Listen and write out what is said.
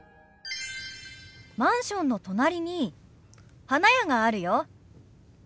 マンションの隣に花屋があるよ。